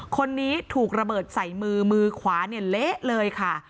คนนี้ถูกระเบิดใส่มือมือขวาเละเลยค่ะ